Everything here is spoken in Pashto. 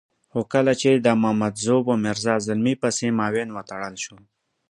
خو کله چې د مامدزو په میرزا زلمي پسې معاون وتړل شو.